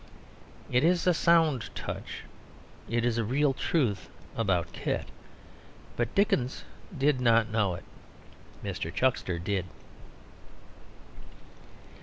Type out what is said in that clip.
It is a sound touch; it is a real truth about Kit. But Dickens did not know it. Mr. Chuckster did.